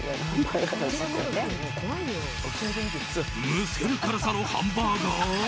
むせる辛さのハンバーガー？